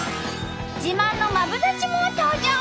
自慢のマブダチも登場！